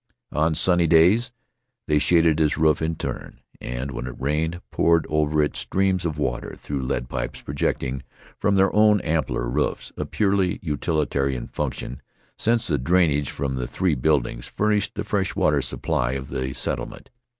On sunny days they shaded his roof in turn; and, when it rained, poured over it streams of water, through lead pipes projecting from their own ampler roofs — a purely utilitarian function, since the drainage from the three buildings furnished the fresh water supply of the set tlement.